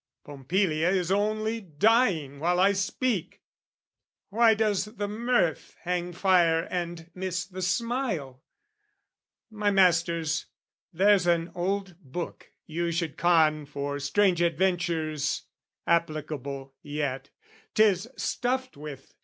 Pompilia is only dying while I speak! Why does the mirth hang fire and miss the smile? My masters, there's an old book, you should con For strange adventures, applicable yet, 'Tis stuffed with.